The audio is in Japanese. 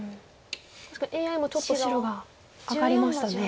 確かにＡＩもちょっと白が上がりましたね。